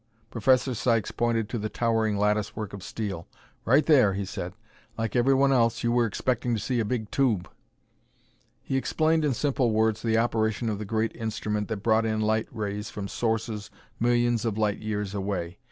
Professor Sykes pointed to the towering latticework of steel. "Right there," he said. "Like everyone else, you were expecting to see a big tube." He explained in simple words the operation of the great instrument that brought in light rays from sources millions of light years away.